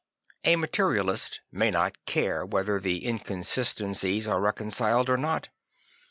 A materialist may not care whether the inconsistencies are reconciled or not.